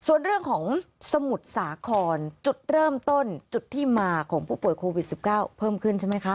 ส่วนเรื่องของสมุทรสาครจุดเริ่มต้นจุดที่มาของผู้ป่วยโควิด๑๙เพิ่มขึ้นใช่ไหมคะ